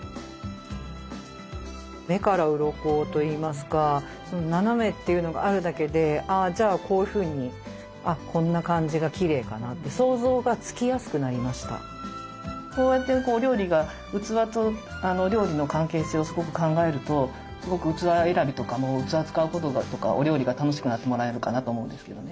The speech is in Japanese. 目からうろこといいますかあじゃあこういうふうにあっこんな感じがきれいかなってこうやって料理が器と料理の関係性をすごく考えるとすごく器選びとかも器使うこととかお料理が楽しくなってもらえるかなと思うんですけどね。